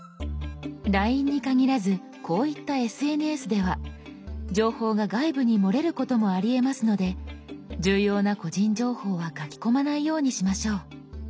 「ＬＩＮＥ」に限らずこういったＳＮＳでは情報が外部に漏れることもありえますので重要な個人情報は書き込まないようにしましょう。